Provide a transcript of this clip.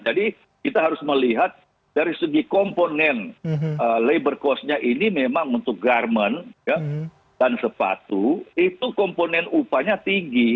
jadi kita harus melihat dari segi komponen labor cost nya ini memang untuk garmen dan sepatu itu komponen upahnya tinggi